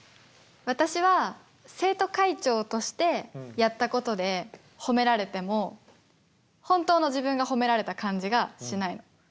私は生徒会長としてやったことで褒められても本当の自分が褒められた感じがしない。